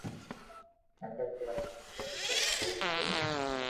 آڪاݾ ڪراچي ھي ڪوم ڪريا ھارون